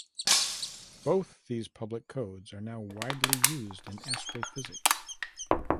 Both these public codes are now widely used in astrophysics.